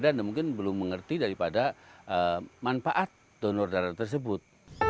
dan mungkin belum mengerti daripada manfaat donor darah tersebut